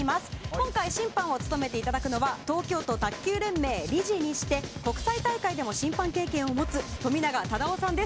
今回審判を務めていただくのは東京都卓球連盟理事にして国際大会でも審判経験を持つ富永忠男さんです。